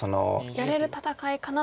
やれる戦いかなという。